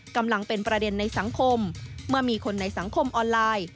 กำลังเป็นประเด็นในสังคมเมื่อมีคนในสังคมออนไลน์